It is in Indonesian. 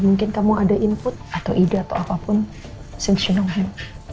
mungkin kamu ada input atau ide atau apapun since you know him